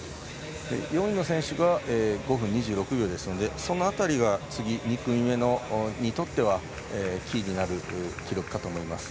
４位の選手が５分２６秒ですのでその辺りが次、２組目にとってはキーになる記録かと思います。